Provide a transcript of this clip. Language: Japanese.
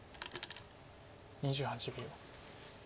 ２８秒。